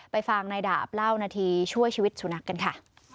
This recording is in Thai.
ฟังนายดาบเล่านาทีช่วยชีวิตสุนัขกันค่ะ